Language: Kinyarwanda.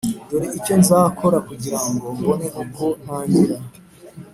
Dore icyo nzakora kugira ngo mbone uko ntangira